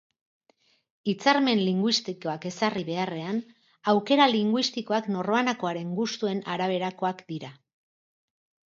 Hitzarmen linguistikoak ezarri beharrean, aukera linguistikoak norbanakoaren gustuen araberakoak dira.